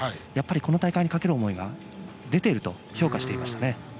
この大会にかける思いが出ていると評価していました。